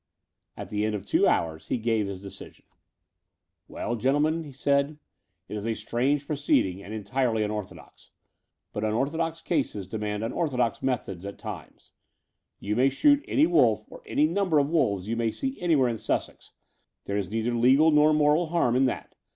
At the end of two hours he gave his decision. Between London and Cljrmping 205 "Well, gentlemen," he said, '4t is a strange proceeding and entirely unorthodox : but unortho dox cases demand unorthodox methods at times. You may shoot any wolf or any number of wolves you may see anywhere in Sussex — there is neither legal nor moral harm in that.